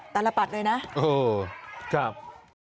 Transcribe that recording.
ตารปัดเลยนะโอ้โฮครับ